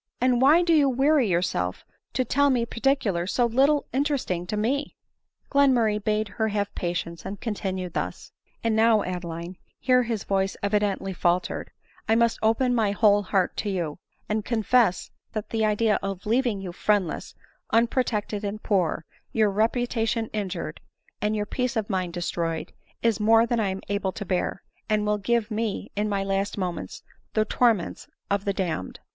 and why do you weary yourself to tell me particulars so little interesting to me?" Glenmurray bade her have patience, and continued thus :" And now, Adeline, ( here his voice evidently fal tered,) I must open my whole heart to you, and confess that the idea of leaving you friendless, unprotected, and poor, your reputation injured, and your peace of mind destroyed, is more than I am able to bear, and will give me, in my last moments, the torments of the damned."